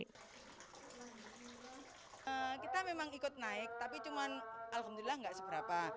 kita memang ikut naik tapi cuma alhamdulillah nggak seberapa